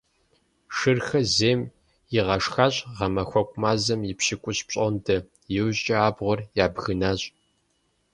Шырхэр зейм игъэшхащ гъэмахуэку мазэм и пщыкӀущ пщӀондэ, иужькӀэ абгъуэр ябгынащ.